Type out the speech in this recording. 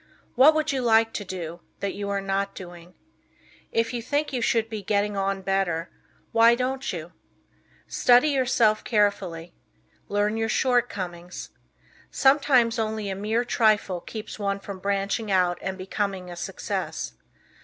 What would you like to do, that you are not doing? If you think you should be "getting on" better, why don't you? Study yourself carefully. Learn your shortcomings. Sometimes only a mere trifle keeps one from branching out and becoming a success.